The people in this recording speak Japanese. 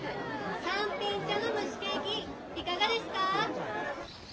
さんぴん茶の蒸しケーキいかがですか？